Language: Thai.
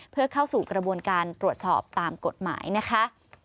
เพื่อเข้าสู่กระบวนการตรวจสอบตามกฎหมายนะคะ